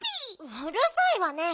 うるさいわね！